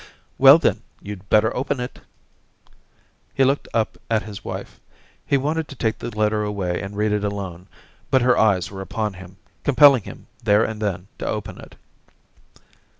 * Well, then, you'd better open it,' He looked up at his wife ; he wanted to take the letter away and read it alone^ but her eyes were upon him, compelling him there and then to open it.